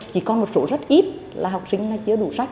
chỉ còn một số rất ít là học sinh chưa đủ sách